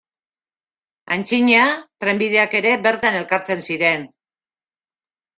Antzina, trenbideak ere bertan elkartzen ziren.